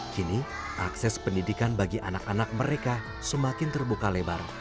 kini akses pendidikan bagi anak anak mereka semakin terbuka lebar